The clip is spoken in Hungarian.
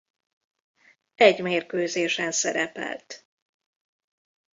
Egy mérkőzésen szerepelt.